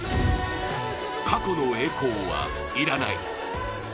過去の栄光はいらない。